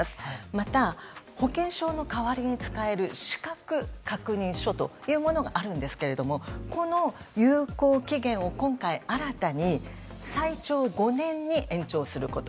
また、保険証の代わりに使える資格確認書がありますがこの有効期限を今回新たに最長５年に延長すること。